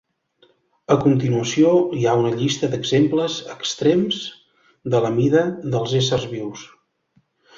A continuació, hi ha una llista d'exemples extrems de la mida dels éssers vius.